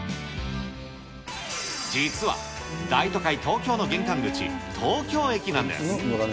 実は、大都会、東京の玄関口、東京駅なんです。